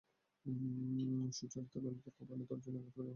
সুচরিতা ললিতার কপোলে তর্জনীর আঘাত করিয়া কহিল, এই বুঝি!